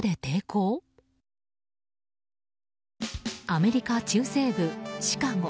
アメリカ中西部シカゴ。